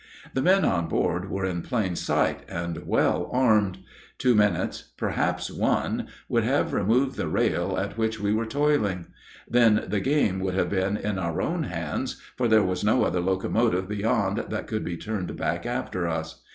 The men on board were in plain sight and well armed. Two minutes perhaps one would have removed the rail at which we were toiling; then the game would have been in our own hands, for there was no other locomotive beyond that could be turned back after us.